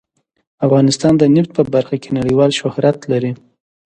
افغانستان د نفت په برخه کې نړیوال شهرت لري.